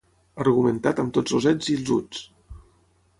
Argumentat amb tots els ets i els uts.